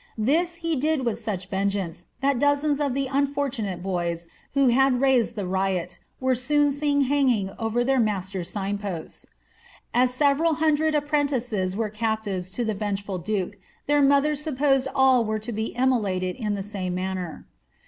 This he did with such vengeance, that dozens of the unfortunate boys, who had raised the riot, were soon seen hanging over their masieis* sign posts. As several hundred apprentices were captives to the venge ful duke, their mothers supposed all were to be immolated in the same manner.